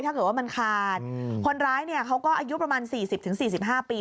ถ้าเกิดว่ามันขาดคนร้ายเนี่ยเขาก็อายุประมาณ๔๐๔๕ปี